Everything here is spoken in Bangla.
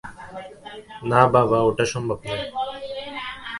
না বাবা, ওটা সম্ভব নয়।